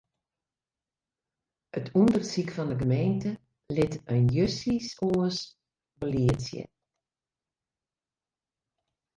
It ûndersyk fan 'e gemeente lit in justjes oar byld sjen.